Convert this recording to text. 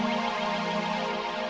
ndating urut waktu juga tuh